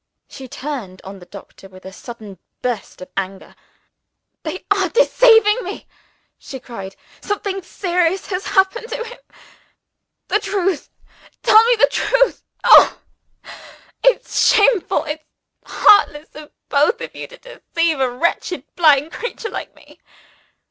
She turned on the doctor, with a sudden burst of anger. "You are deceiving me!" she cried. "Something serious has happened to him. The truth! tell me the truth! Oh! it's shameful, it's heartless of both of you to deceive a wretched blind creature like me!"